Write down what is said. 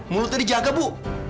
mulutnya dijaga ibu